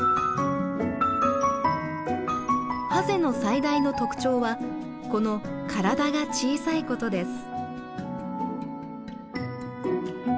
ハゼの最大の特徴はこの体が小さいことです。